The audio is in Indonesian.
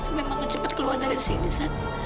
sampai mama cepat keluar dari sini saat